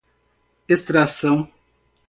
extração